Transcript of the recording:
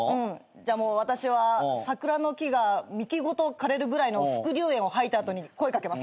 じゃもう私は桜の木が幹ごと枯れるぐらいの副流煙を吐いた後に声掛けます。